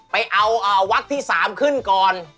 ไปเอาวัดที่๓ขึ้นก่อน